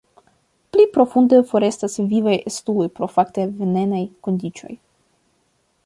Pli profunde forestas vivaj estuloj pro fakte venenaj kondiĉoj.